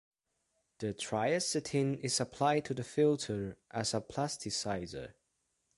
The triacetin is applied to the filter as a plasticizer.